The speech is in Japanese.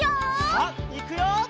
さあいくよ！